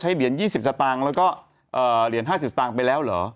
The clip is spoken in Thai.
เหรียญ๒๐สตางค์แล้วก็เหรียญ๕๐สตางค์ไปแล้วเหรอ